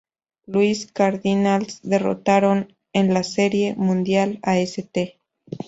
Louis Cardinals derrotaron en la Serie Mundial a St.